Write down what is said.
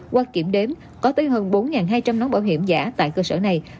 qua kiểm đếm có tới hơn bốn hai trăm linh nón bảo hiểm giả tại cơ sở này